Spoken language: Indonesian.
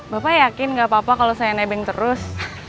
bapak yakin gak apa apa kalau saya nebeng terus